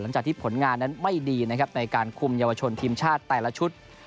จากผลงานนั้นไม่ดีนะครับในการคุมเยาวชนทีมชาติแต่ละชุด